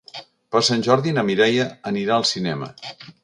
Per Sant Jordi na Mireia anirà al cinema.